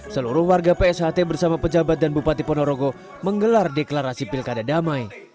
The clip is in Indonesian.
seluruh warga psht bersama pejabat dan bupati ponorogo menggelar deklarasi pilkada damai